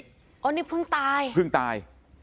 อันนี้เพิ่งตายเพิ่งตาย